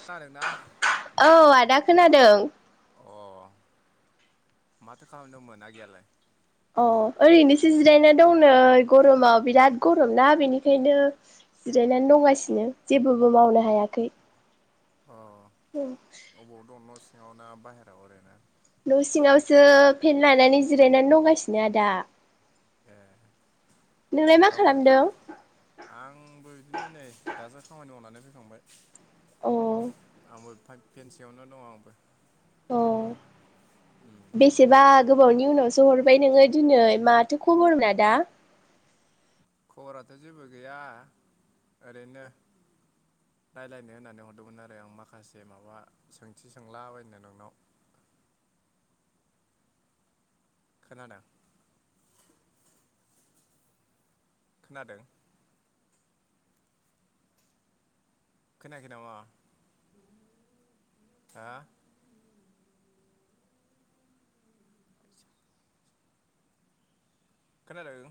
[unintelligible] ना औ आदा खोनादों। अ माथो खालामदों मोन आगैया लाय? अ ओरैनोसो जिरायना दं नै गरमाव बिराद गरम ना बेनिखायनो जिरायनानै दंगासिनो जेबोबो मावनो हायाखै। अ उम अबाव दं न' सिङाव ना बाहेरायाव ओरैनो? न' सिङावसो पेेन लानानै जिरायनानै दंगासिनो आदा। ए नोंलाय मा [unintelligible] खालामदों आंबो बिदिनो नै दासो खामानि मावनानै फैखांबाय। अ आंबो फेनसेयावनो दङ आंबो। अ उम बेसेबा गोबावनि उनावसो हरबाय नोङो दिनै माथो खबरमोन आदा? खबराथ' जेबो गैया ओरैनो रायज्लायनो होननानै हरदोंमोन आरो आं माखासे माबा सोंथि सोंलाबायनो नोंनाव? खोनादों? खोनादों? खोनायाखै नामा हा? खोनादों?